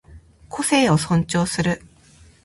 個性を尊重する